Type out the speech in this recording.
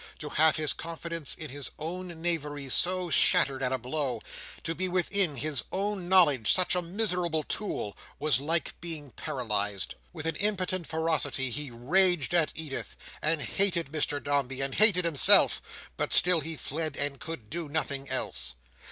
To have his confidence in his own knavery so shattered at a blow—to be within his own knowledge such a miserable tool—was like being paralysed. With an impotent ferocity he raged at Edith, and hated Mr Dombey and hated himself, but still he fled, and could do nothing else.